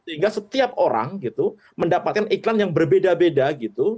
sehingga setiap orang gitu mendapatkan iklan yang berbeda beda gitu